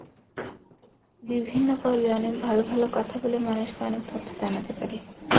বিভিন্ন পর্বে অনেক ভালো ভালো কথা বলে মানুষকে অনেক তথ্য জানাতে পারি।